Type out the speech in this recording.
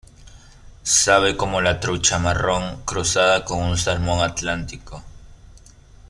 Sabe como la trucha marrón cruzada con un salmón atlántico.